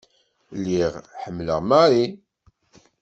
Lliɣ ḥemmleɣ Mary.